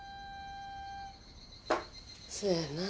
そやなあ。